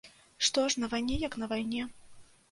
Што ж, на вайне як на вайне.